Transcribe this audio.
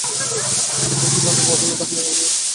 একটা সিদ্ধান্তে পৌছেছ, তাহলে কেন এমন আচরণ করছো?